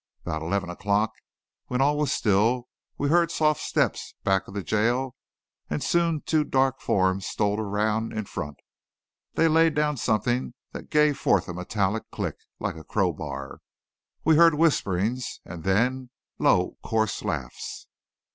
About eleven o'clock, when all was still, we heard soft steps back of the jail, and soon two dark forms stole round in front. They laid down something that gave forth a metallic clink, like a crowbar. We heard whisperings and then, low, coarse laughs.